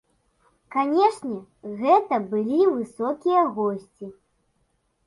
Канешне, гэта былі высокія госці.